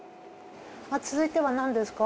続いては何ですか？